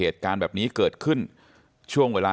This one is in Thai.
ท่านผู้ชมครับ